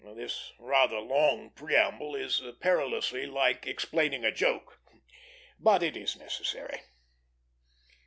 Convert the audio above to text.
This rather long preamble is perilously like explaining a joke, but it is necessary.